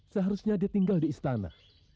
seharusnya dia tinggal di istana